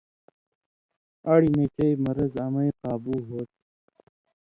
اڑیۡ نہ چئ مرض امَیں قابُو ہو تھی۔